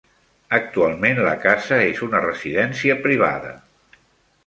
Actualment, la casa és una residència privada.